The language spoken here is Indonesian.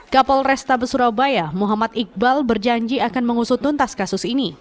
kapolrestabes surabaya muhammad iqbal berjanji akan mengusutuntas kasus ini